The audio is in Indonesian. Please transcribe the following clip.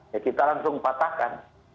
ya kita langsung patahkan